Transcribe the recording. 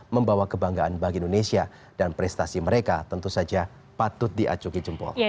membawa kebanggaan bagi indonesia dan prestasi mereka tentu saja patut diacuki jempol